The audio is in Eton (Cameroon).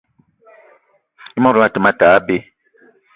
I mot gnion a te ma tal abei